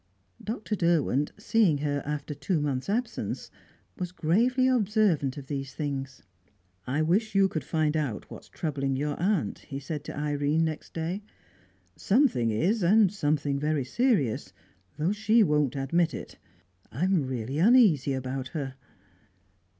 Dr. Derwent, seeing her after two months' absence, was gravely observant of these things. "I wish you could find out what's troubling your aunt," he said to Irene, next day. "Something is, and something very serious, though she won't admit it. I'm really uneasy about her."